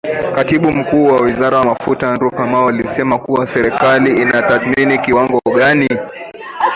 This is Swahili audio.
Katibu Mkuu wa Wizara ya Mafuta Andrew Kamau alisema kuwa serikali inatathmini kiwango gani